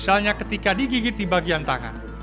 misalnya ketika digigit di bagian tangan